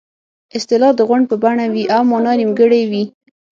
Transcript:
اصطلاح د غونډ په بڼه وي او مانا یې نیمګړې وي